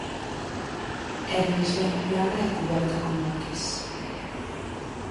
É máis ben plana e cuberta con maquis.